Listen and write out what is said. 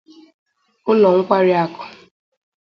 ụlọ nkwariakụ